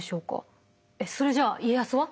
えっそれじゃあ家康は？